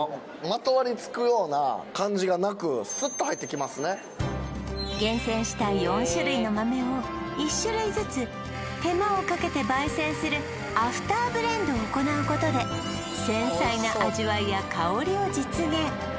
こちらが感じの厳選した４種類の豆を１種類ずつ手間をかけて焙煎するアフターブレンドを行うことで繊細な味わいや香りを実現